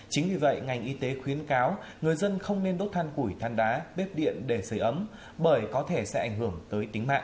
chính vì vậy ngành y tế khuyến cáo người dân không nên đốt than củi than đá bếp điện để sửa ấm bởi có thể sẽ ảnh hưởng tới tính mạng